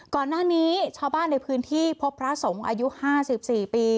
ก่อนหน้านี้ชาวบ้านในพื้นที่พบพระสงฆ์อายุ๕๔ปี